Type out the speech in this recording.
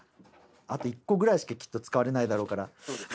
あと１個ぐらいしかきっと使われないだろうから。